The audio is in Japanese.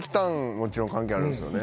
もちろん関係あるんですよね。